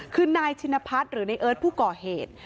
คือนายชินพัฒน์หรือในเอิร์ทผู้ก่อเหตุ